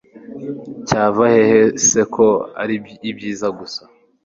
cyava hehe se ko ari ibyiza gusa